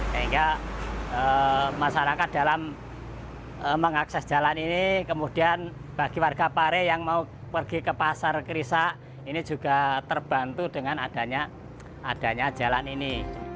sehingga masyarakat dalam mengakses jalan ini kemudian bagi warga pare yang mau pergi ke pasar krisak ini juga terbantu dengan adanya jalan ini